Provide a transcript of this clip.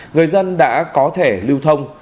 người dân đã có thể lưu thông